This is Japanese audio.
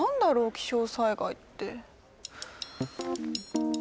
気象災害って。